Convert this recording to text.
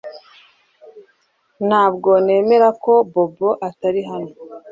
Ntabwo nemera ko Bobo atari hano